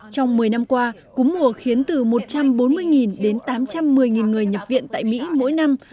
trong một mươi năm qua cúm mùa khiến từ một trăm bốn mươi đến tám trăm một mươi người nhập viện tại mỹ mỗi năm